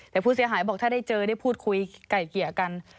แต่ผู้เสียหายบอกถ้าได้เจอได้พูดคุยไก่เกลี่ยกัน